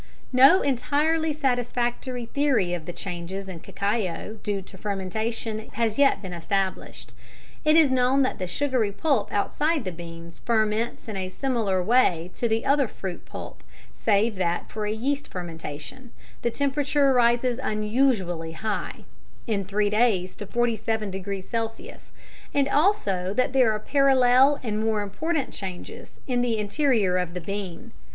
_ No entirely satisfactory theory of the changes in cacao due to fermentation has yet been established. It is known that the sugary pulp outside the beans ferments in a similar way to other fruit pulp, save that for a yeast fermentation the temperature rises unusually high (in three days to 47 degrees C.), and also that there are parallel and more important changes in the interior of the bean.